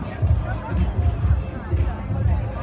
มันเองสนใจเลยว่า